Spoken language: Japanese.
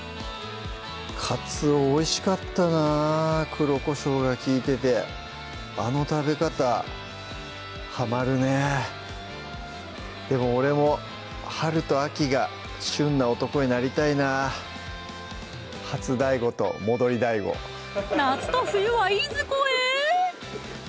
かつおおいしかったな黒こしょうが利いててあの食べ方はまるねでも俺も春と秋が旬な男になりたいな夏と冬はいずこへ？